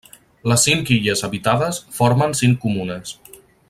Les cinc illes habitades formen cinc comunes.